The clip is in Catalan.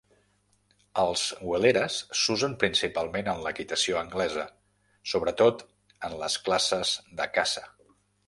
Els welaras s'usen principalment en l'equitació anglesa, sobretot en les classes de caça.